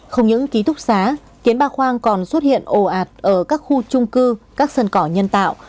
không những ký túc xá kiến ba khoang còn xuất hiện ồ ạt ở các khu trung cư các sân cỏ nhân tạo